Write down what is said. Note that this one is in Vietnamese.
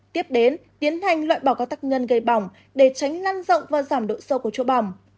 tiếp đến tiến hành loại bỏ các tác nhân gây bỏng để tránh lan rộng và giảm độ sâu của chỗ bỏng